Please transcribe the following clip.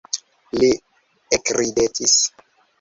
Li ekridetis.